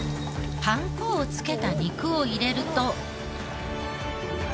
パン粉をつけた肉を入れると。